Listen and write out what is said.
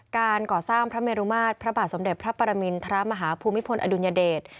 การก่อสร้างพระเมรุมาตรพระบาทสมเด็จพระปรมินทรมาฮภูมิพลอดุลยเดช